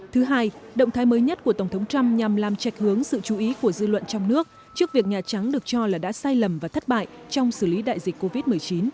thứ hai động thái mới nhất của tổng thống trump nhằm làm trạch hướng sự chú ý của dư luận trong nước trước việc nhà trắng được cho là đã sai lầm và thất bại trong xử lý đại dịch covid một mươi chín